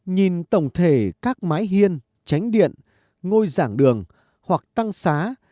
nhìn tổng thể các mái hiên tránh điện ngôi giảng đường hoặc tăng xá